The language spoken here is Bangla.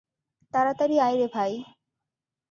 তাড়াতাড়ি আয় রে ভাই!